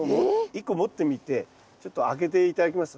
１個持ってみてちょっと開けて頂けます？